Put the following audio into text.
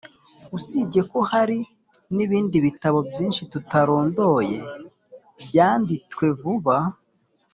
Usibye ko hari n’ibindi bitabo byinshi tutarondoye byanditwe vuba